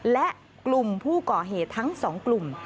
และกลุ่มผู้ก่อเหตุทั้งสองกลุ่ม